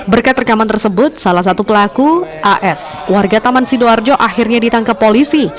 berkat rekaman tersebut salah satu pelaku as warga taman sidoarjo akhirnya ditangkap polisi